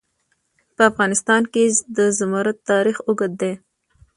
په افغانستان کې د زمرد تاریخ اوږد دی.